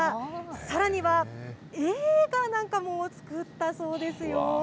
さらには映画なんかも作ったそうですよ。